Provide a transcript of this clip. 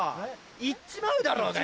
行っちまうだろうが！